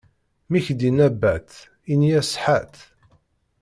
Mi k-d-inna: bat, ini-yas: ḥatt.